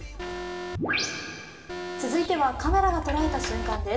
続いてはカメラが捉えた瞬間です。